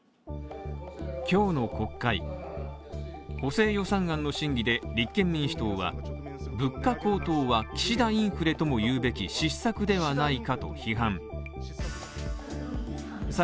今日の国会補正予算案の審議で立憲民主党は、物価高騰は岸田インフレともいうべき失策ではないかと批判した。